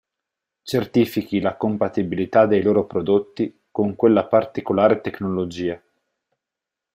Certifichi la compatibilità dei loro prodotti con quella particolare tecnologia.